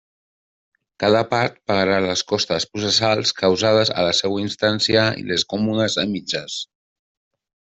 Cada part pagarà les costes processals causades a la seua instància i les comunes a mitges.